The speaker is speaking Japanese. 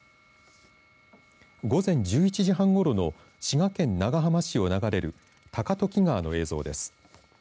午前１１時半ごろの滋賀県長浜市を流れる高時川の映像です。